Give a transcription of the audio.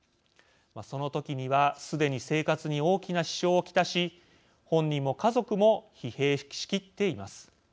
その時には、すでに生活に大きな支障を来し本人も家族も疲弊しきっています。